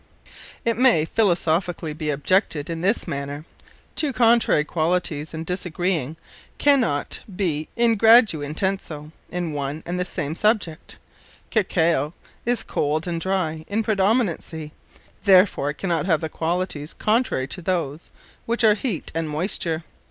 It may Philosophically be objected, in this manner: _Two contrary Qualities, and Disagreeing, cannot be in gradu intenso, in one and the same Subject: Cacao is cold and drie, in predominency: Therefore, it cannot have the qualities contrary to those; which are Heat, and Moysture.